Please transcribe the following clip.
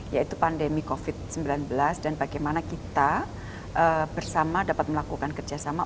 yaitu pandemi covid sembilan belas dan bagaimana kita bersama dapat melakukan kerjasama